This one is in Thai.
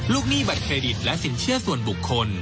หนี้บัตรเครดิตและสินเชื่อส่วนบุคคล